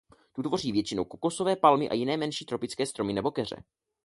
Tu tvoří většinou kokosové palmy a jiné menší tropické stromy nebo keře.